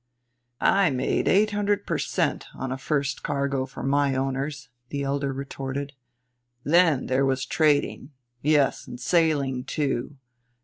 "I made eight hundred per cent on a first cargo for my owners," the elder retorted. "Then there was trading, yes, and sailing, too.